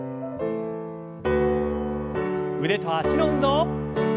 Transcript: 腕と脚の運動。